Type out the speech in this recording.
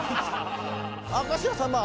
明石家さんま